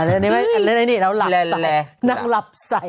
อันนี้ไหมอันนี้เราหลับใส่